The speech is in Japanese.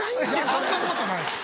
そんなことないです。